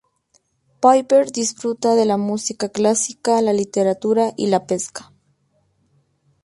Piper disfruta de la música clásica, la literatura y la pesca.